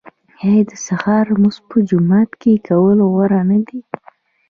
آیا د سهار لمونځ په جومات کې کول غوره نه دي؟